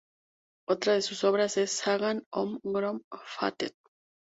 Otra de sus obras es "Sagan om Gröt-fatet".